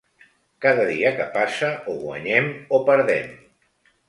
Cada dia que passa, o guanyem o perdem.